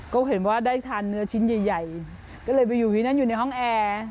ก็เห็นว่าได้ทานเนื้อชิ้นใหญ่ก็เลยไปอยู่ที่นั่นอยู่ในห้องแอร์